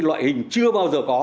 loại hình chưa bao giờ có